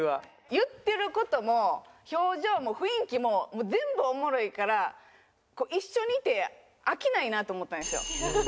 言ってる事も表情も雰囲気ももう全部おもろいからこう一緒にいて飽きないなと思ったんですよ。